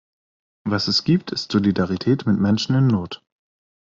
Was es gibt, ist Solidarität mit Menschen in Not!